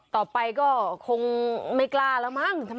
ต่อไปก็คงไม่กล้าแล้วมั้ง